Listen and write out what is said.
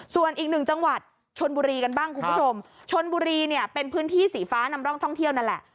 ส่วนอีกหนึ่งจังหวัดชนบุรีกันบ้างคุณผู้ชมชนบุรีเนี่ยเป็นพื้นที่สีฟ้านำร่องท่องเที่ยวนั่นแหละ